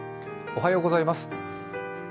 おはようございます。